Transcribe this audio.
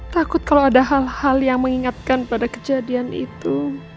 takut kalau ada hal hal yang mengingatkan pada kejadian itu